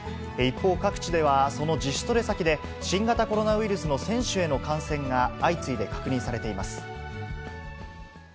一方、各地では、その自主トレ先で、新型コロナウイルスの選手への感染が相次いで確認されています。